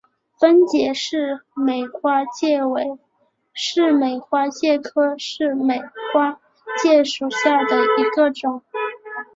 分解似美花介为似美花介科似美花介属下的一个种。